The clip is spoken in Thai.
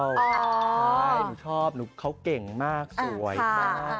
ครับนึกชอบนึกเขาเก่งมากสวยมาก